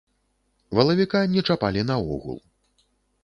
Валавіка не чапалі наогул.